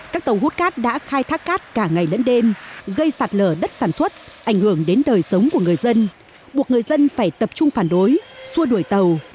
các tàu hút cát đã khai thác cát cả ngày lẫn đêm gây sạt lở đất sản xuất ảnh hưởng đến đời sống của người dân buộc người dân phải tập trung phản đối xua đuổi tàu